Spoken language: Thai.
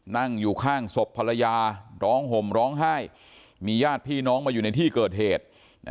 นั่งอยู่ข้างศพภรรยาร้องห่มร้องไห้มีญาติพี่น้องมาอยู่ในที่เกิดเหตุ